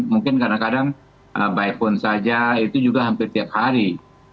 mungkin kadang kadang by phone saja itu juga hampir tiap hari